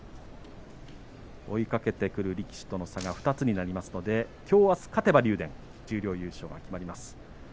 追いかけてくる力士との差が２つになりますのできょうあす勝てば竜電十両優勝が決まります。